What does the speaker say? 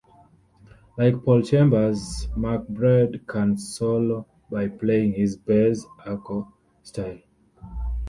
Like Paul Chambers, McBride can solo by playing his bass arco style.